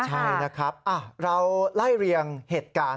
ใช่นะครับเราไล่เรียงเหตุการณ์